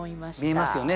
見えますよね